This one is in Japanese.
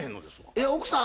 えっ奥さん